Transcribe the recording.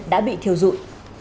đã bị thiêu dụi